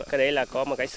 cái đấy là có một cái sự